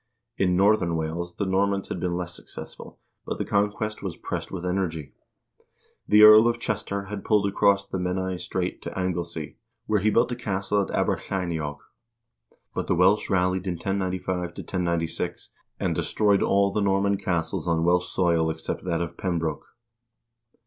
In Northern Wales the Normans had been less successful, but the conquest was pressed with energy. The Earl of Chester had pushed across the Menai Strait to Anglesea, where he built a castle at Aberlleiniog. But the Welsh rallied in 1095 1096, and destroyed all the Norman castles on Welsh soil except that of Pembroke.